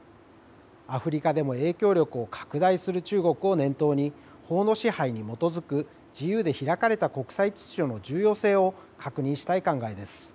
アフリカでも影響力を拡大する中国を念頭に、法の支配に基づく自由で開かれた国際秩序の重要性を確認したい考えです。